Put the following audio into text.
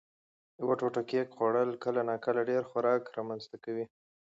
یوه ټوټه کېک خوړل کله ناکله ډېر خوراک رامنځ ته کوي.